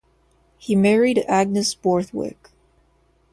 He married Agnes Borthwick.